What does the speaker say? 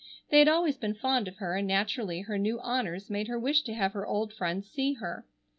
They had always been fond of her, and naturally her new honors made her wish to have her old friends see her.